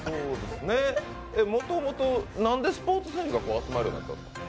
もともとなんでスポーツ選手が集まるようになったんですか？